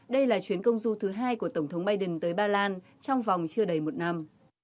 đây là chuyến công du thứ hai của tổng thống biden tới ba lan trong vòng chưa đầy một năm